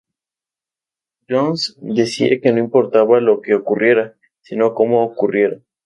Jones decía que no importaba lo que ocurriera, sino como ocurriera.